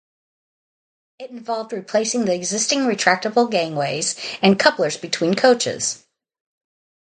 It involved replacing the existing retractable gangways and couplers between coaches.